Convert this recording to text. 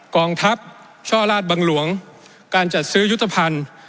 กองทัพช่อราชบังหลวงการจัดซื้อยุทธภัณฑ์